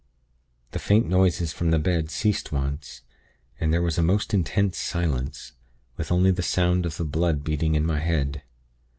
"The faint noises from the bed ceased once, and there was a most intense silence, with only the sound of the blood beating in my head.